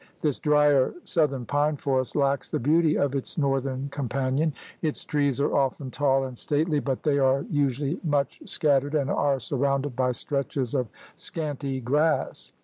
This drier south ern pine forest lacks the beauty of its northern companion. Its trees are often tall and stately, but they are usually much scattered and are sur rounded by stretches of scanty grass.